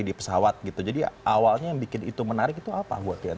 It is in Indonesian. di pesawat gitu jadi awalnya yang bikin itu menarik itu apa buat ya